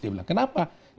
dia bilang kenapa